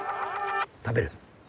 食べる？